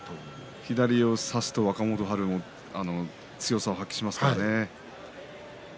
左を差すと若元春も強さを発揮しますからね。